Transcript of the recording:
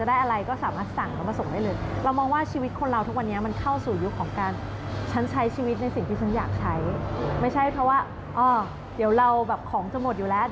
อันนี้เรามาช่วยตอบโจทย์